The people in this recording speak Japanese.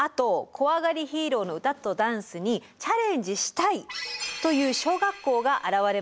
「こわがりヒーロー」の歌とダンスにチャレンジしたいという小学校が現れました。